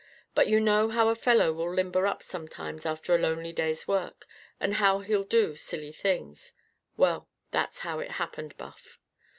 But you know how a fellow will limber up sometimes after a lonely day's work, and how he'll do silly things. Well, that's how it happened, Buff.